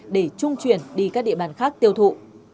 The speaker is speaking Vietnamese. để trung chuyển đi các địa bàn khác tiêu thụ